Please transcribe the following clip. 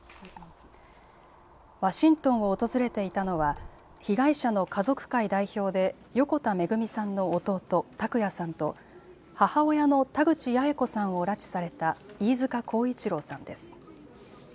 ワシントンを訪れていたのは被害者の家族会代表で横田めぐみさんの弟、拓也さんと母親の田口八重子さんを拉致された飯塚耕一郎さんです。